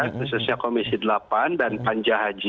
khususnya komisi delapan dan panja haji